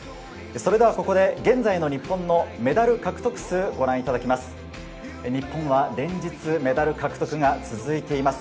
それではここで現在の日本のメダル獲得数をご覧いただきます。